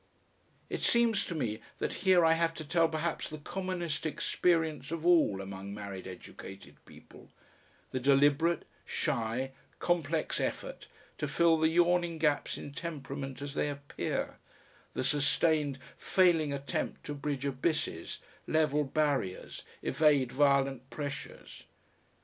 It seems to me that here I have to tell perhaps the commonest experience of all among married educated people, the deliberate, shy, complex effort to fill the yawning gaps in temperament as they appear, the sustained, failing attempt to bridge abysses, level barriers, evade violent pressures.